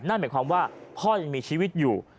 นั่นหมายความว่าพ่อยังมีชีวิตอยู่